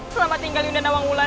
selamat tinggal yunda nawangulan